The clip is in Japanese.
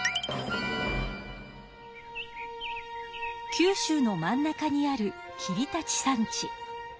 九州の真ん中にある霧立山地。